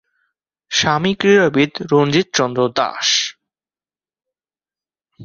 স্বামী ক্রীড়াবিদ রঞ্জিত চন্দ্র দাস।